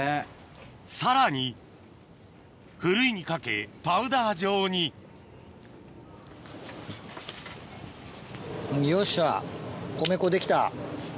さらにふるいにかけパウダー状によっしゃ米粉できた。